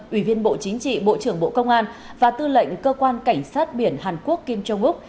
ủy viên bộ chính trị bộ trưởng bộ công an và tư lệnh cơ quan cảnh sát biển hàn quốc kim jong uc